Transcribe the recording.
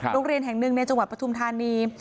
โรงเรียนแห่งหนึ่งในจังหวัดปฐุมธานี